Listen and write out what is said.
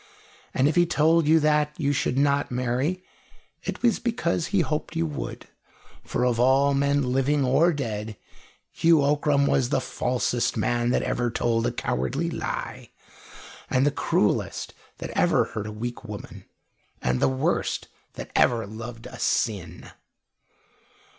And if he told you that you should not marry, it was because he hoped you would; for of all men living or dead, Hugh Ockram was the falsest man that ever told a cowardly lie, and the cruelest that ever hurt a weak woman, and the worst that ever loved a sin."